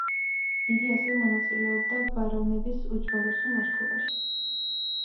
იგი ასევე მონაწილეობა ბარონების ჯვაროსნულ ლაშქრობაში.